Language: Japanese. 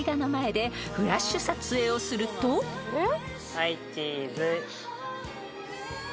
はいチーズ。